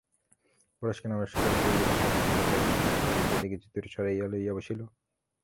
পরেশকে নমস্কার করিয়া সে অসংকোচে একটা চৌকি টেবিল হইতে কিছু দূরে সরাইয়া লইয়া বসিল।